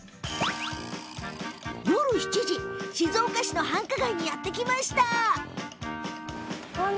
夜７時の静岡市の繁華街にやって来ました。